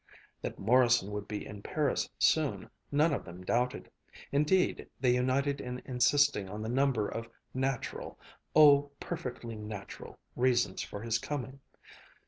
That Morrison would be in Paris soon, none of them doubted. Indeed, they united in insisting on the number of natural oh, perfectly natural reasons for his coming.